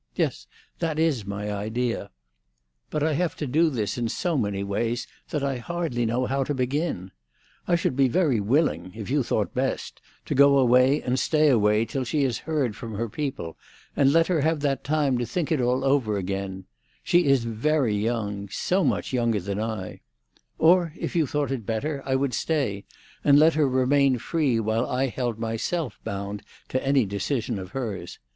Yes—that is my idea. But should be very willing, if you thought best, to go away and stay away till she has heard from her people, and let her have that time to think it all over again. She is very young—so much younger than I! Or, if you thought it better, I would stay, and let her remain free while I held myself bound to any decision of hers.